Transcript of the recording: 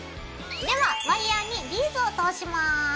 ではワイヤーにビーズを通します。